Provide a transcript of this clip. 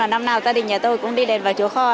năm nào gia đình nhà tôi cũng đi đềm bà chúa kho